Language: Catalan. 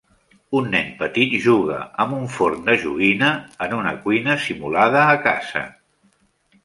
Un nen petit juga amb un forn de joguina en una cuina simulada a casa